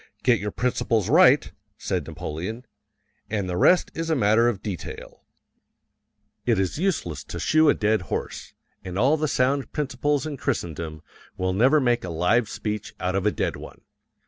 "Get your principles right," said Napoleon, "and the rest is a matter of detail." It is useless to shoe a dead horse, and all the sound principles in Christendom will never make a live speech out of a dead one.